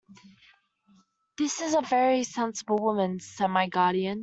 "This is a very sensible woman," said my guardian.